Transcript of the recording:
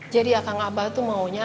jadi akang abah tuh maunya